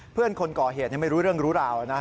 เพื่อนคนก่อเหตุยังไม่รู้เรื่องรู้ราวน่ะ